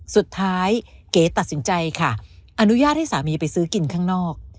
เก๋ตัดสินใจค่ะอนุญาตให้สามีไปซื้อกินข้างนอก